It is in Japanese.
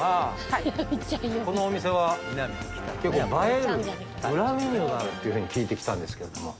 このお店は結構映えるウラメニューがあるっていうふうに聞いてきたんですけれども。